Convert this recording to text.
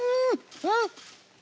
うん！